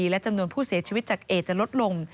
และจำนวนผู้เสียชีวิตจากเอจะลดลง